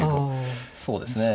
そうですね。